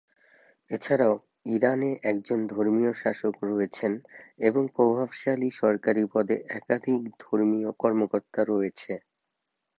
এছাড়াও, ইরানে একজন ধর্মীয় শাসক রয়েছেন এবং প্রভাবশালী সরকারী পদে একাধিক ধর্মীয় কর্মকর্তা রয়েছে।